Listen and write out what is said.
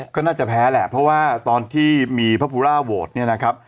ก็น่าจะแพ้แหละเพราะว่าตัวที่มีภพุราโวทธรณ์นี้นะครับ